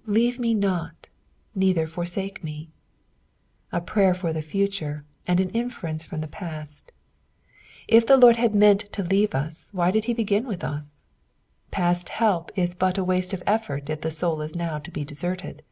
" Leave me not, ruither fortake ma." A prayer for the future, and an inference from the past. If the Lord had meant to leave us, why did he begin with us 9 Past help IB but a waste o( c&ort it the soul now be deserted.